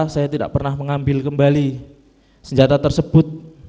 saya tidak pernah mengambil kembali senjata tersebut